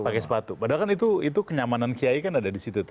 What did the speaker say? pakai sepatu padahal kan itu kenyamanan kiai kan ada di situ